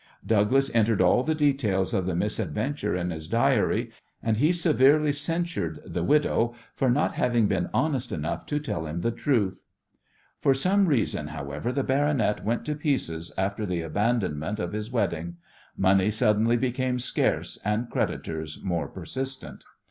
Douglas entered all the details of the misadventure in his diary, and he severely censured the widow for not having been "honest" enough to tell him the truth. For some reason, however, the "baronet" went to pieces after the abandonment of his wedding. Money suddenly became scarce, and creditors more persistent.